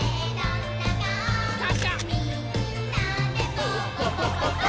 「みんなでポッポポポポーズ！」